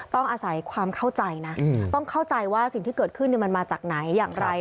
ต้องอาศัยความเข้าใจนะต้องเข้าใจว่าสิ่งที่เกิดขึ้นมันมาจากไหนอย่างไร